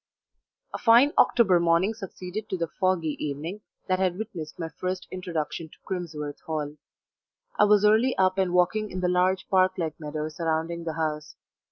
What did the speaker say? A FINE October morning succeeded to the foggy evening that had witnessed my first introduction to Crimsworth Hall. I was early up and walking in the large park like meadow surrounding the house.